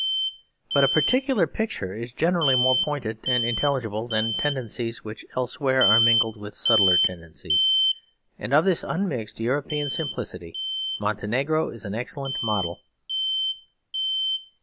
But a particular picture is generally more pointed and intelligible than tendencies which elsewhere are mingled with subtler tendencies; and of this unmixed European simplicity Montenegro is an excellent model.